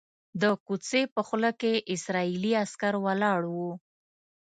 د کوڅې په خوله کې اسرائیلي عسکر ولاړ وو.